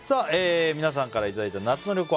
皆さんからいただいた夏の旅行！